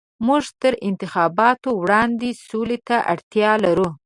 موږ تر انتخاباتو وړاندې سولې ته اړتيا لرو.